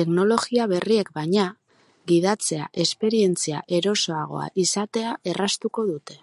Teknologia berriek, baina, gidatzea esperientzia erosoagoa izatea erraztuko dute.